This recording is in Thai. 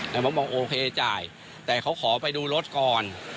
แต่ผมบอกโอเคจ่ายแต่เขาขอไปดูรถก่อน